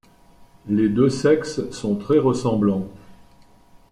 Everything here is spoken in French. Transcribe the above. Les deux sexes sont très ressemblants.